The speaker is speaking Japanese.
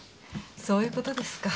そういう事ですか。